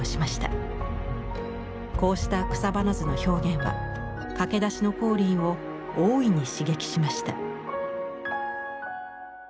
こうした草花図の表現は駆け出しの光琳を大いに刺激しました。